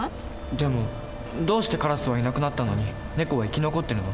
でもどうしてカラスはいなくなったのにネコは生き残ってるの？